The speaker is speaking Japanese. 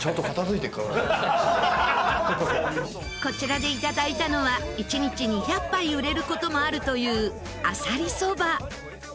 こちらでいただいたのは１日２００杯売れる事もあるというあさりそば。